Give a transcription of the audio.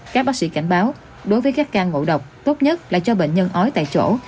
các bác sĩ cảnh báo đối với các ca ngộ độc tốt nhất là cho bệnh nhân ói tại chỗ